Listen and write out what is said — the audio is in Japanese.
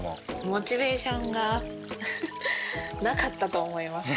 モチベーションがフフッなかったと思います。